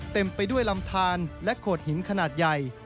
เต็มไปด้วยลำทานและโขดหินขนาดใหญ่